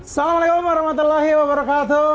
assalamualaikum warahmatullahi wabarakatuh